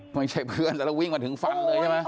ไม่ใช่เพื่อนแล้วแล้ววิ่งมาถึงฟันเลยใช่ไหม